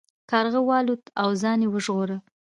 کارغه والوت او ځان یې وژغوره.